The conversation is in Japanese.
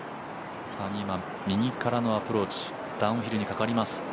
ニーマン右からのアプローチ、ダウンヒルにかかります。